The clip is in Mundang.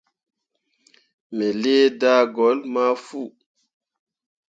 Me lii daagolle ma fu.